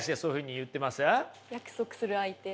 約束する相手。